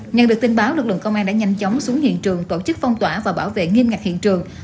nhận được tin báo lực lượng công an đã nhanh chóng xuống hiện trường tổ chức phong tỏa và bảo vệ nghiêm ngặt hiện trường